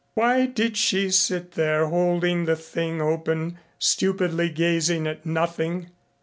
Why did she sit there holding the thing open, stupidly gazing at nothing?